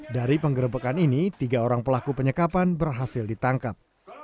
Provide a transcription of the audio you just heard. dari penggerebekan ini tiga orang pelaku penyekapan berhasil ditangkap